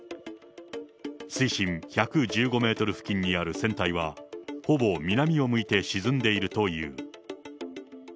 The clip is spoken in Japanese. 水深１１５メートル付近にある船体は、ほぼ南を向いて沈んでいるという。